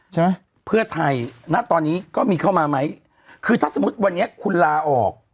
เพื่อไทยณตอนนี้ก็มีเข้ามาไหมคือถ้าสมมุติวันนี้คุณลาออก